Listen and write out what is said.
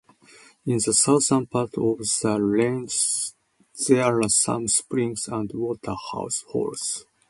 In the southern part of the range there are some springs and water holes.